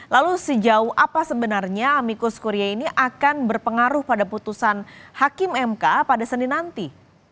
lalu sejauh apa sebenarnya amikus kuria ini akan berpengaruh pada putusan hakim mk pada senin nanti